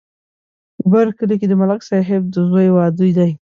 په بر کلي کې د ملک صاحب د زوی واده دی.